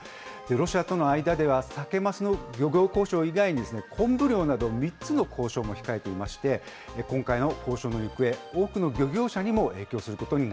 ロシアとの間ではサケマスの漁業交渉以外に、コンブ漁など３つの交渉も控えていまして、今回の交渉の行方、多くの漁業者にも影響